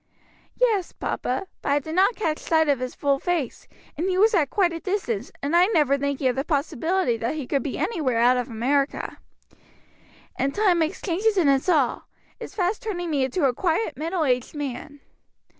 "Yes, papa, but I did not catch sight of his full face, and he was at quite a distance, and I never thinking of the possibility that he could be anywhere out of America." "And time makes changes in us all is fast turning me into a quiet middle aged man."